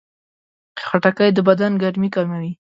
خټکی د بدن ګرمي کموي.